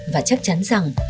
và chắc chắn rằng